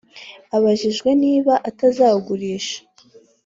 Abajijwe niba atazawugurisha